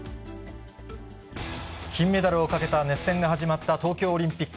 金メダルをかけた始まった東京オリンピック。